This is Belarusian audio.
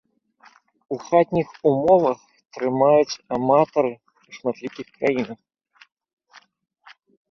У хатніх умовах трымаюць аматары ў шматлікіх краінах.